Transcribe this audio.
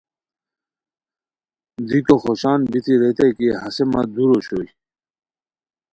دیکو خوشان بیتی ریتائے کی ہسے مہ دُور اوشوئے